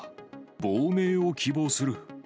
亡命を希望する。